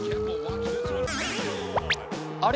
あれ？